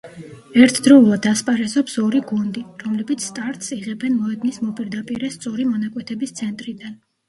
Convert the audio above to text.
ერთდროულად ასპარეზობს ორი გუნდი, რომლებიც სტარტს იღებენ მოედნის მოპირდაპირე სწორი მონაკვეთების ცენტრიდან.